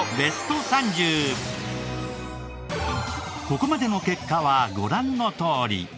ここまでの結果はご覧のとおり。